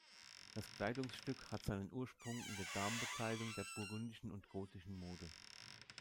Das Kleidungsstück hat seinen Ursprung in der Damenbekleidung der burgundischen und gotischen Mode.